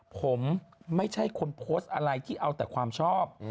ผมไม่ใช่คนโพสต์อะไรที่เอาแต่ความชอบ